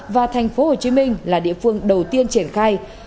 và tp hcm là địa phương đầu tiên triển khai